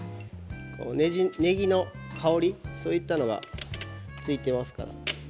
ねぎの香りそういったものがついていますから。